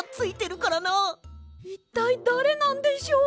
いったいだれなんでしょう？